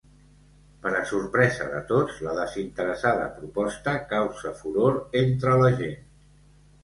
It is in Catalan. Per a sorpresa de tots, la desinteressada proposta causa furor entre la gent.